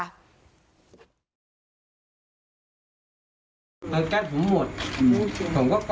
อ่าโอเค